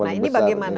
untuk menyerah karbon